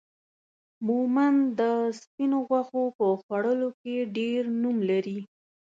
مومند دا سپينو غوښو په پخولو کې ډير نوم لري